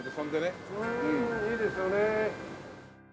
うんいいですよね。